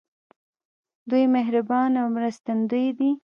دوی مهربان او مرستندوی دي.